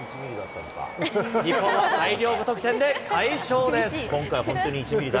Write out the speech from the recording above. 日本は大量５得点で快勝です。